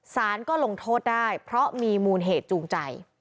สารก็ลงโทษได้เพราะมีมูลเหตุจูงใจ